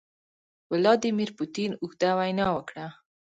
ولادیمیر پوتین اوږده وینا وکړه.